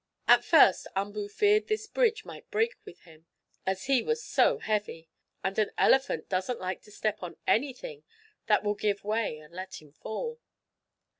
At first Umboo feared this bridge might break with him, as he was so heavy, and an elephant doesn't like to step on anything that will give way and let him fall.